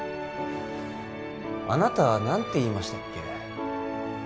あなた何て言いましたっけ？